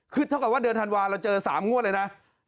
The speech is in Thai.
คือเท่ากับว่าเดือนธันวาลเราเจอ๓งวดเลยนะ